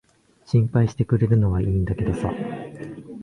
心配してくれるのは良いんだけどさ。